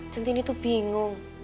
cinti ini tuh bingung